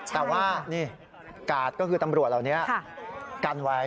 แต่ว่านี่กาดก็คือตำรวจเหล่านี้กันไว้